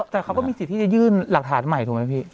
แต่เขาก็มีสิทธิ์ที่จะยื่นหลักฐานใหม่ถูกไหมพี่